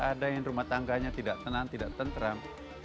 ada yang rumah tangganya tidak tenang tidak tentram